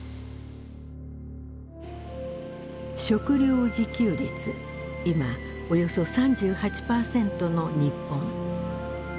食料自給率今およそ３８％の日本。